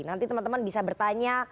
nanti teman teman bisa bertanya